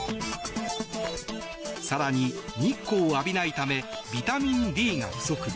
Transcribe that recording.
更に、日光を浴びないためビタミンＤが不足。